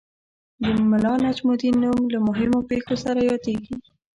د ملا نجم الدین نوم له مهمو پېښو سره یادیږي.